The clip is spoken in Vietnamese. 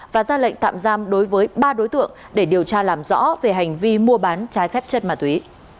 và ra lệnh tạm giam đối với ba đối tượng để điều tra làm rõ về hành vi mua bán trái phép chất ma túy